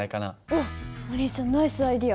おっお兄ちゃんナイスアイデア。